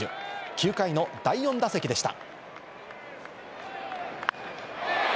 ９回の第４打席でした。